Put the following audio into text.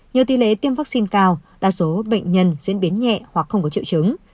nhiều tỷ lệ tiêm vaccine cao đa số bệnh nhân diễn biến nhẹ hoặc không có triệu chứng